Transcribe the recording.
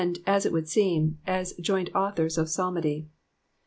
as it u}ould seem, as joint authors if psalmody.